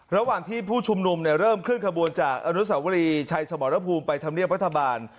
ระหว่างที่ผู้ชุมนุมเริ่มขึ้นขบวนจากอนุสาวรีชัยสมรภูมิไปทำเรียนพัฒนาบาล